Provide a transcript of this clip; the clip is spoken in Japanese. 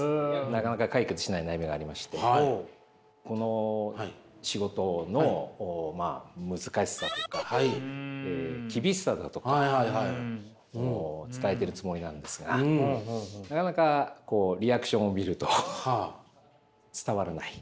なかなか解決しない悩みがありましてこの仕事の難しさとか厳しさだとかを伝えているつもりなんですがなかなかリアクションを見ると伝わらない。